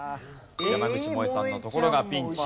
山口もえさんのところがピンチ。